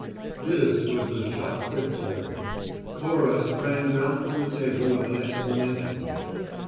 This was the shot that told. Cora sprang down from the table with an exclamation.